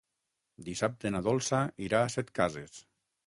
Dissabte na Dolça irà a Setcases.